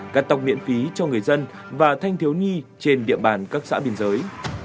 cắt tọc miễn phí cho người dân và thanh thiếu nghi trên địa bàn các xã biên giới